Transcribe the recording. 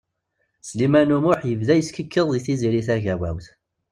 Sliman U Muḥ yebda yeskikiḍ i Tiziri Tagawawt.